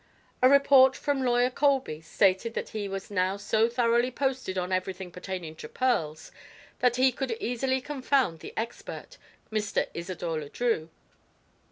A report from Lawyer Colby stated that he was now so thoroughly posted on everything pertaining to pearls that he could easily confound the expert, Mr. Isidore Le Drieux.